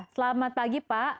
selamat pagi pak